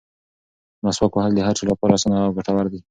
مسواک وهل د هر چا لپاره اسانه او ګټور دي.